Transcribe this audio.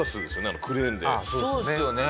そうですよね。